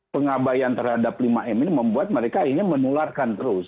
pengabayan terhadap lima m ini membuat mereka ingin menularkan terus